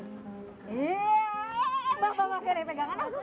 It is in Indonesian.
mbak mbak mbak pegangan aku